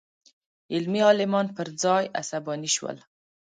علمي عالمان پر ځای عصباني شول.